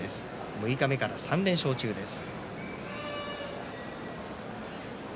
六日目から３連勝中です。